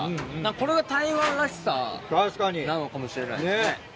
これが台湾らしさなのかもしれないですね。